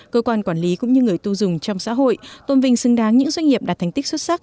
cơ quan quản lý cũng như người tu dùng trong xã hội tôn vinh xứng đáng những doanh nghiệp đạt thành tích xuất sắc